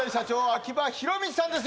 秋葉弘道さんです